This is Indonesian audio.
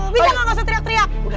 bisa ga ga usah teriak teriak